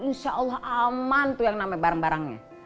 insya allah aman tuh yang namanya barang barangnya